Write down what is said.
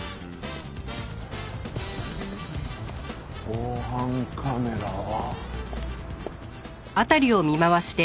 防犯カメラは。